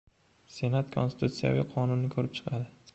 Senat konstitutsiyaviy qonunni ko‘rib chiqadi